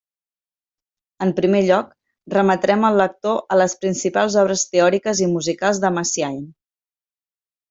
En primer lloc, remetrem el lector a les principals obres teòriques i musicals de Messiaen.